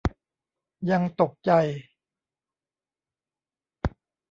ยังตกใจ